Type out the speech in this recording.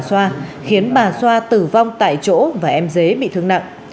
xoa khiến bà xoa tử vong tại chỗ và em dế bị thương nặng